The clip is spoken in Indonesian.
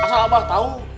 asal abah tau